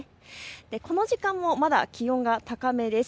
この時間もまだ気温が高めです。